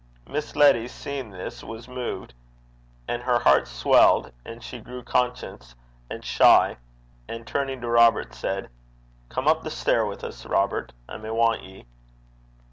Miss Letty seeing this, was moved, and her heart swelled, and she grew conscious and shy, and turning to Robert, said, 'Come up the stair wi' 's, Robert; I may want ye.'